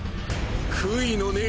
悔いのねェ